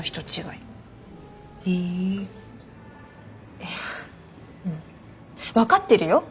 いやうん分かってるよ。